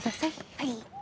はい。